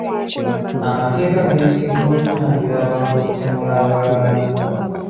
Amateeka gayisiddwa okutangira abantu okutemula abalala.